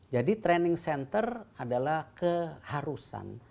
jadi training center adalah keharusan